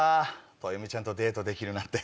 トヨミちゃんとデートできるなんて。